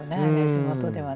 地元では。